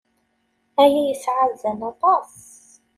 Aya yesɛa azal aṭas.